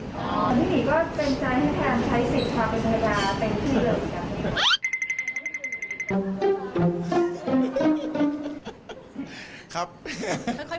พี่หมีก็เป็นใจให้ทางใช้สิทธิ์ความเป็นภรรยาเป็นที่เจริญกัน